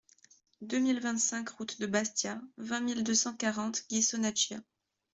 deux mille vingt-cinq route de Bastia, vingt mille deux cent quarante Ghisonaccia